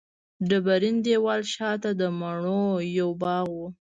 ډبرین دېوال شاته د مڼو یو باغ و.